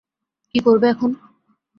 কি করবে এখন?